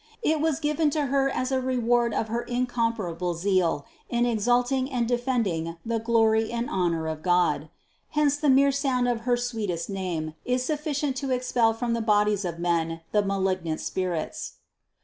It was given to Her as a reward of her incomparable zeal in exalting and defending the glory and honor of God. Hence the mere sound of her sweet est name is sufficient to expel from the bodies of men the malignant spirits.